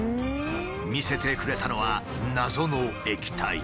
見せてくれたのは謎の液体。